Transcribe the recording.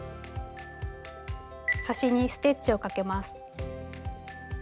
端にステッチをかけます。